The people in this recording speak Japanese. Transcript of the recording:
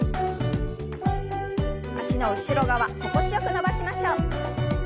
脚の後ろ側心地よく伸ばしましょう。